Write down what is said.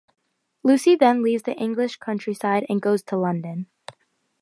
Lucy then leaves the English countryside and goes to London.